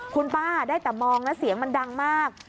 คุณป้าได้แต่มองแล้วเสียงมันดังมาก